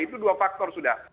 itu dua faktor sudah